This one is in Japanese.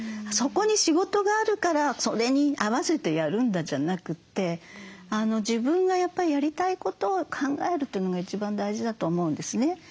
そこに仕事があるからそれに合わせてやるんだじゃなくて自分がやりたいことを考えるというのが一番大事だと思うんですね。